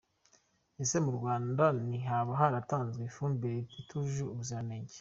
Ese mu Rwanda ntihaba haratanzwe ifumbire itujuje ubuzirange?.